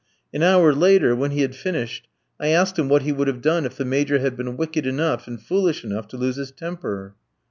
An hour later, when he had finished, I asked him what he would have done if the Major had been wicked enough and foolish enough to lose his temper.